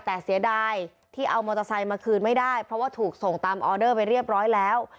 แต่เสียดายที่เอามอเตอร์ไซค์มาคืนไม่ได้เพราะว่าถูกส่งตามออเดอร์ไปเรียบร้อยแล้ว